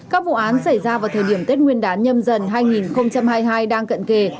các vụ án xảy ra vào thời điểm tết nguyên đán nhâm dần hai nghìn hai mươi hai đang cận kề